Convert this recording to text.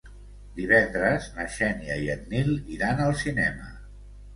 Divendres na Xènia i en Nil iran al cinema.